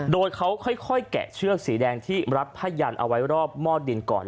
โดยเขาค่อยแกะเชือกสีแดงที่รัดผ้ายันเอาไว้รอบหม้อดินก่อน